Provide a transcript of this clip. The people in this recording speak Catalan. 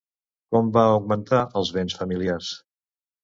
Com va augmentar els béns familiars?